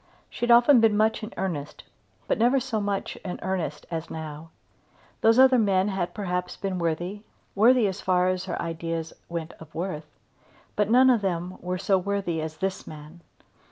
She had often been much in earnest but never so much in earnest as now. Those other men had perhaps been worthy, worthy as far as her ideas went of worth, but none of them so worthy as this man.